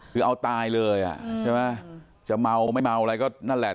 คือเอาตายเลยจะเมาไม่เมาอะไรก็นั่นแหละ